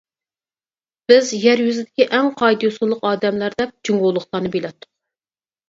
بىز يەر يۈزىدىكى ئەڭ قائىدە-يوسۇنلۇق ئادەملەر دەپ جۇڭگولۇقلارنى بىلەتتۇق.